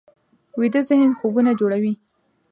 ویده ذهن خوبونه جوړوي